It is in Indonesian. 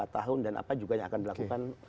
lima tahun dan apa juga yang akan dilakukan